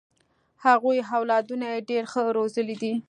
هغوی اولادونه یې ډېر ښه روزلي دي.